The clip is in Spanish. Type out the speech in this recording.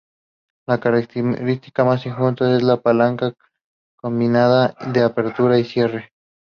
La característica más inusual es la palanca combinada de apertura y cierre.